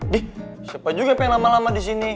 dih siapa juga yang pengen lama lama disini